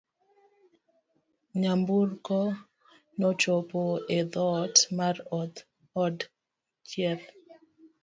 Nyamburko nochopo e dhoot mar od thieth.